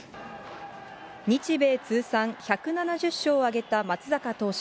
日米通算１７０勝を挙げた松坂投手。